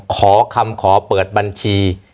ขอคำขอเปิดบัญชี